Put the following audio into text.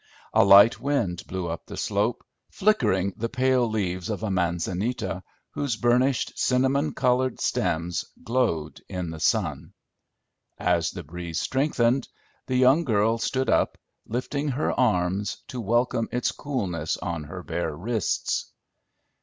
A light wind blew up the slope, flickering the pale leaves of a manzanita, whose burnished, cinnamon colored stems glowed in the sun. As the breeze strengthened, the young girl stood up, lifting her arms, to welcome its coolness on her bare wrists.